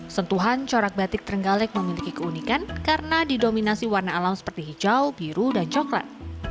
sentuhan corak batik terenggalek memiliki keunikan karena didominasi warna alam seperti hijau biru dan coklat